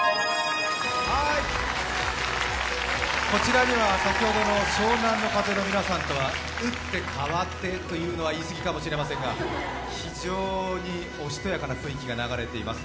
はーい、こちらには先ほどの湘南乃風の皆さんとは打って変わってというのは言い過ぎかもしれませんが非常におしとやかな雰囲気が流れています。